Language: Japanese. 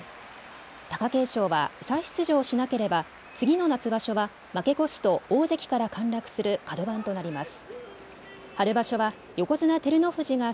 貴景勝は再出場しなければ次の夏場所は負け越すと大関から陥落する角番となります。